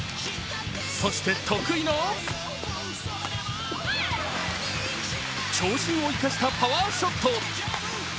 そして得意の長身を生かしたパワーショット。